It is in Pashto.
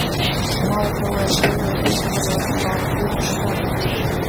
ما ورته وویل: زه یو دوې خبرې ورته کوم، ډېره مې پکار ده.